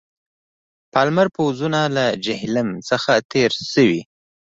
پالمر پوځونه له جیهلم څخه تېر شوي.